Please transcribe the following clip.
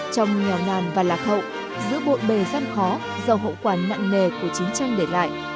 trong nghèo nàn và lạc hậu giữa bộn bề gian khó giàu hậu quả nặng nề của chiến tranh để lại